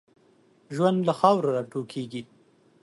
ژوند له خاورو را ټوکېږي.